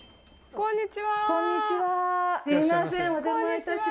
こんにちは。